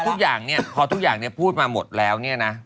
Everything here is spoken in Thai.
คือพอทุกอย่างพูดมาหมดแล้ว